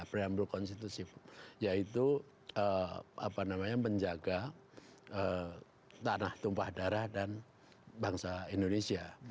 preambul konstitusi yaitu apa namanya penjaga tanah tumpah darah dan bangsa indonesia